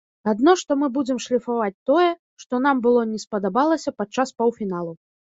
Адно што мы будзем шліфаваць тое, што нам было не спадабалася падчас паўфіналу.